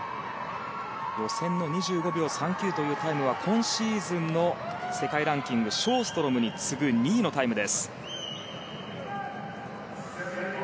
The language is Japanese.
予選の２５秒３９というタイムは今シーズンの世界ランキングショーストロムに次ぐ２位のタイムです。